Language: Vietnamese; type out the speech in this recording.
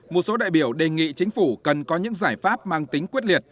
một số đại biểu đề nghị chính phủ cần có những giải pháp mang tính quyết liệt